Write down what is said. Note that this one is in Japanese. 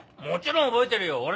もちろん覚えてるよ。